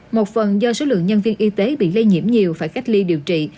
một phần do số lượng nhân viên y tế bị lây nhiễm nhiều phải cách ly điều trị